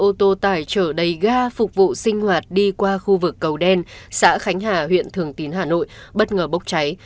ô tô tải trở đầy ga phục vụ sinh hoạt đi qua khu vực cầu đen xã khánh hà huyện thường tín hà nội bất ngờ bốc cháy